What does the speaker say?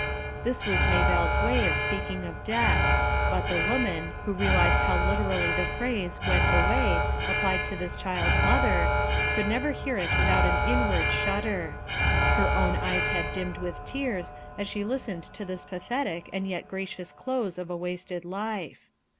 This was Maybellc's way of speaking of death ; but the woman, who realized how literally the phrase "went away" applied to this child's mother, could never hear it without an inward shudder. Her own eyes had dimmed with tears as she listened to this pathetic and yet gracious close of a wasted life.